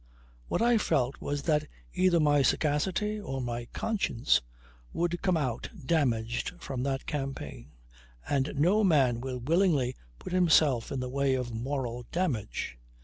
What I felt was that either my sagacity or my conscience would come out damaged from that campaign. And no man will willingly put himself in the way of moral damage.